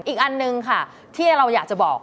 อีกอันหนึ่งค่ะที่เราอยากจะบอก